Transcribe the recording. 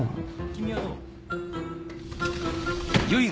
君はどう？